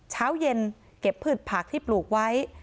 เช้าเย็นเก็บพืชผักที่ปลูกไว้